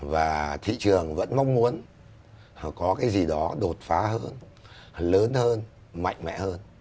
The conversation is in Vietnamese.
và thị trường vẫn mong muốn có cái gì đó đột phá hơn lớn hơn mạnh mẽ hơn